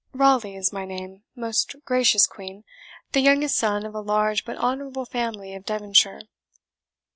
"Raleigh is my name, most gracious Queen, the youngest son of a large but honourable family of Devonshire."